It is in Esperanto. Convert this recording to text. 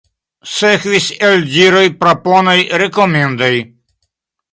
Sekvis eldiroj, proponoj, rekomendoj.